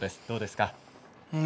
どうですか。